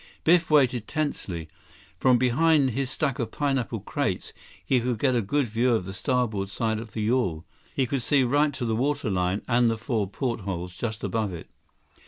Biff waited tensely. From behind his stack of pineapple crates, he could get a good view of the starboard side of the yawl. He could see right to the water line and the four portholes just above it.